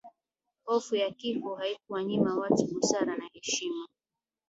hofu ya kifo haikuwanyima watu busara na heshima